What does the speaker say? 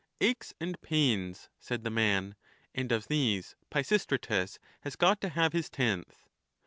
"Aches and pains," said the man ;" and of these Pisistratus has got to have his tenth."